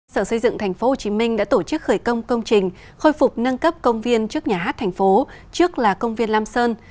sở xây dựng tp hcm đã tổ chức khởi công công trình khôi phục nâng cấp công viên trước nhà hát thành phố trước là công viên lam sơn